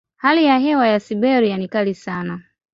Hali ya hewa ya Siberia ni kali sana.